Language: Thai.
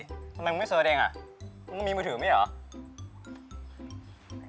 ทำไมมึงไม่เสิร์ชเองอ่ะมึงมีมือถือไม่ใช่เหรอ